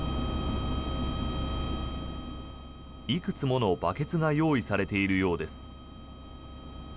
いくつものバケツが用意されているようです。